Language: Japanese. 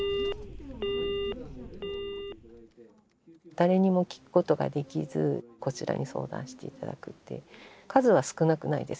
誰にも聞くことができずこちらに相談して頂くっていう数は少なくないです